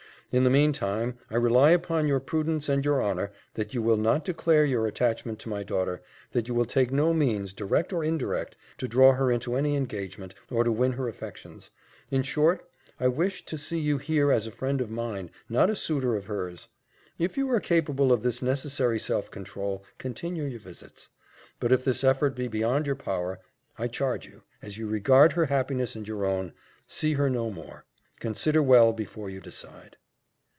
In the mean time I rely upon your prudence and your honour, that you will not declare your attachment to my daughter, that you will take no means, direct or indirect, to draw her into any engagement, or to win her affections: in short, I wish to see you here as a friend of mine not a suitor of hers. If you are capable of this necessary self control, continue your visits; but if this effort be beyond your power, I charge you, as you regard her happiness and your own, see her no more. Consider well, before you decide."